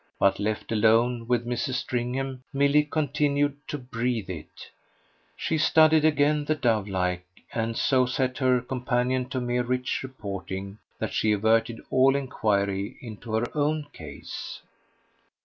But left alone with Mrs. Stringham Milly continued to breathe it: she studied again the dovelike and so set her companion to mere rich reporting that she averted all enquiry into her own case.